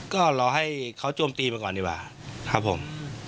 ก็รอให้เขาโจมตีมาก่อนดีกว่าครับผม